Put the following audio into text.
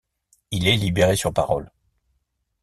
Il est libéré sur parole.